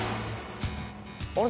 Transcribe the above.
あれ？